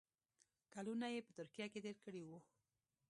کلونه یې په ترکیه کې تېر کړي وو.